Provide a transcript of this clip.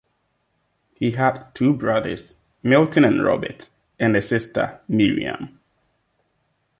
He had two brothers, Milton and Robert, and a sister, Miriam.